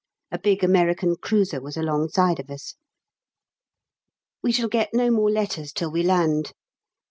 A big American cruiser was alongside of us. We shall get no more letters till we land.